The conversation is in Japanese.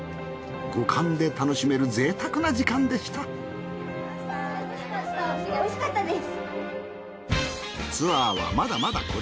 五感で楽しめる贅沢な時間でしたおいしかったです。